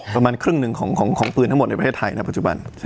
ประมาณครึ่งหนึ่งของของของปืนทั้งหมดในประเทศไทยนะครับปัจจุบันใช่